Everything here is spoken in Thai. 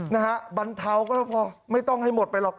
นะฮะบรรเทาก็แล้วพอไม่ต้องให้หมดไปหรอก